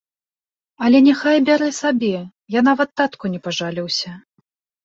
Але няхай бярэ сабе, я нават татку не пажаліўся.